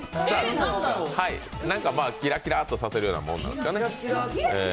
キラキラとさせるものなんですかね。